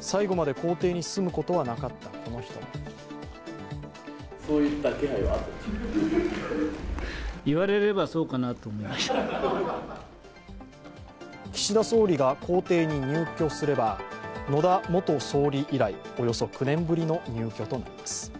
最後まで公邸に住むことはなかった、この人も岸田総理が公邸に入居すれば、野田元総理以来、およそ９年ぶりの入居となります。